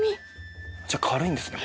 じゃあ軽いんですね。